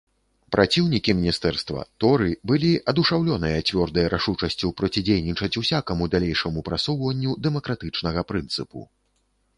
Праціўнікі міністэрства, торы, былі адушаўлёныя цвёрдай рашучасцю процідзейнічаць усякаму далейшаму прасоўванню дэмакратычнага прынцыпу.